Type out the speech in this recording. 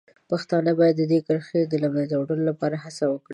پښتانه باید د دې کرښې د له منځه وړلو لپاره هڅه وکړي.